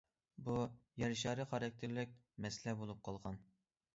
بۇ يەر شارى خاراكتېرلىك مەسىلە بولۇپ قالغان.